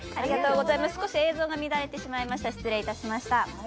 少し映像が乱れてしまいました、失礼いたしました。